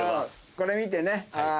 これ見てね。